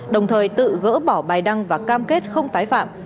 đồng thời tự gỡ bỏ bài đăng và cam kết không tái phạm